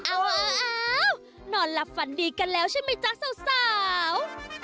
นอนหลับฝันดีกันแล้วใช่ไหมจ๊ะสาว